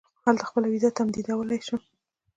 هلته خپله وېزه تمدیدولای شم.